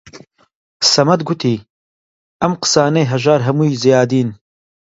سەمەد گوتی: ئەم قسانەی هەژار هەمووی زیادین